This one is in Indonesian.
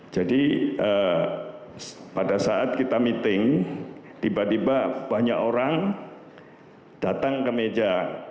jadi pada saat kita meeting tiba tiba banyak orang datang ke meja